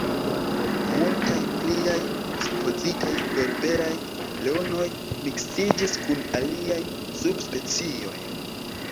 Multaj pliaj supozitaj berberaj leonoj miksiĝis kun aliaj subspecioj.